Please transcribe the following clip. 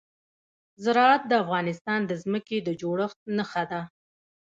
زراعت د افغانستان د ځمکې د جوړښت نښه ده.